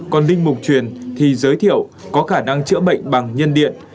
còn linh mục truyền thì giới thiệu có khả năng chữa bệnh bằng nhân điện